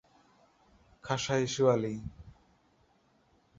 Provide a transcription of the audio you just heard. খাস্বায়িসু Ali